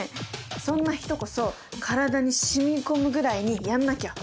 そんな人こそ体にしみこむぐらいにやんなきゃ。